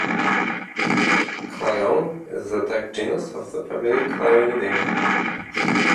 "Clione" is the type genus of the family Clionidae.